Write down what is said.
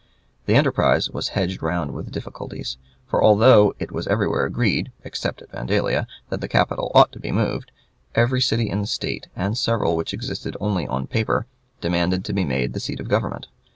The enterprise was hedged round with difficulties; for although it was everywhere agreed, except at Vandalia, that the capital ought to be moved, every city in the State, and several which existed only on paper, demanded to be made the seat of government.